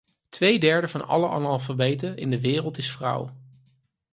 Twee derde van alle analfabeten in de wereld is vrouw.